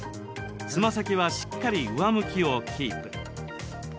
つま先はしっかり上向きをキープ。